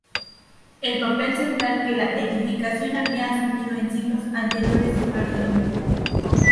El papel central que la edificación había asumido en siglos anteriores se perdió.